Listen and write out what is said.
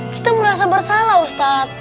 kita merasa bersalah ustadz